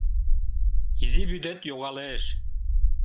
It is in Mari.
Изи вӱдет йогалеш.